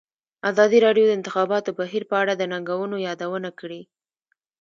ازادي راډیو د د انتخاباتو بهیر په اړه د ننګونو یادونه کړې.